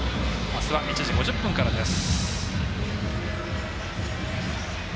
あすは１時５０分からです。